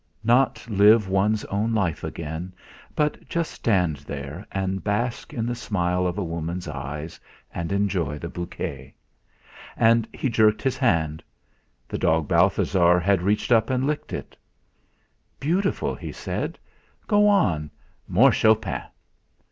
Not live one's own life again, but just stand there and bask in the smile of a woman's eyes, and enjoy the bouquet! And he jerked his hand; the dog Balthasar had reached up and licked it. "Beautiful!" He said: "Go on more Chopin!"